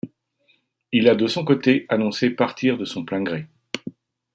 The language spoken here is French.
Il a de son côté annoncé partir de son plein gré.